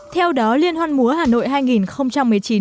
theo đó liên hoan múa hà nội hai nghìn một mươi chín